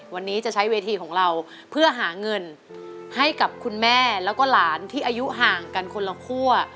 วันนี้จะใช้เวทีของเราเพื่อหาเงินให้กับคุณแม่แล้วก็หลานที่อายุห่างกันคนละคั่ว